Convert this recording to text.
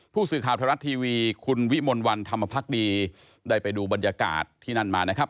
ผู้สื่อข่าวไทยรัฐทีวีคุณวิมลวันธรรมพักดีได้ไปดูบรรยากาศที่นั่นมานะครับ